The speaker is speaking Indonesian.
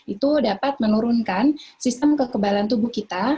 itu dapat menurunkan sistem kekebalan tubuh kita